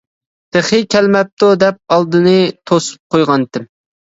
تېخى كەلمەپتۇ دەپ ئالدىنى توسۇپ قويغانتىم.